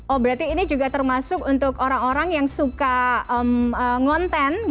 oh berarti ini juga termasuk untuk orang orang yang suka ngonten